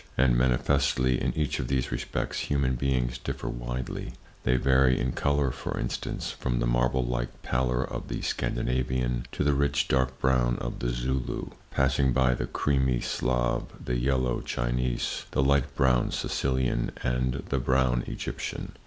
And manifestly, in each of these respects, human beings differ widely. They vary in color, for instance, from the marble like pallor of the Scandinavian to the rich, dark brown of the Zulu, passing by the creamy Slav, the yellow Chinese, the light brown Sicilian and the brown Egyptian.